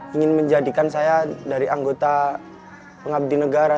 ingin menjadikan saya dari anggota pengabdi negara